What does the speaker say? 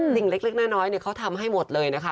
เล็กน้อยเขาทำให้หมดเลยนะคะ